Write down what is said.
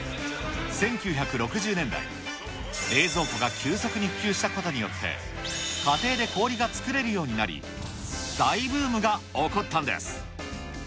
１９６０年代、冷蔵庫が急速に普及したことによって、家庭で氷が作れるようになり、大ブームが起こったんです。